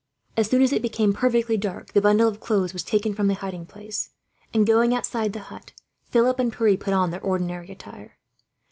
As soon as it became perfectly dark, the bundle of clothes was taken from the hiding place and, going outside the hut, Philip and Pierre put on their ordinary attire.